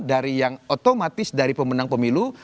dari yang otomatis dari pemenang pemilu